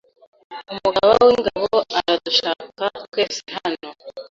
Umugaba w‟ingabo aradushaka twese hano